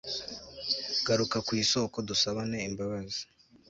garuka ku isoko dusabane imbabazi